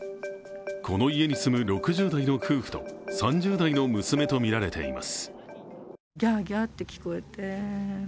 この家に住む６０代の夫婦と３０代の夫婦とみられています。